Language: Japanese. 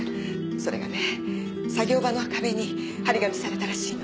それがね作業場の壁に貼り紙されたらしいの。